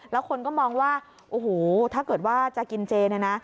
แล้วคนก็มองว่าโอ้โหถ้าเกิดว่าจะกินเจเนี่ยนะ